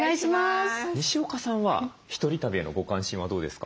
にしおかさんは１人旅へのご関心はどうですか？